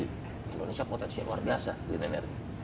indonesia potensinya luar biasa green energy